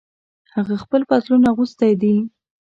هغه خپل پتلون اغوستۍ دي